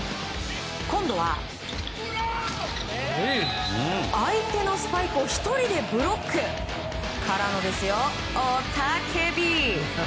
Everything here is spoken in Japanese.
今度は相手のスパイクを１人でブロック。からのですよ、雄たけび！